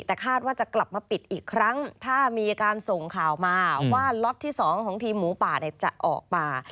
แต่คาดว่าจะกลับมาปิดอีกครั้งถ้ามีการส่งข่าวมาว่าล็อตที่๒ของทีมหมูป่าเนี่ยจะออกป่า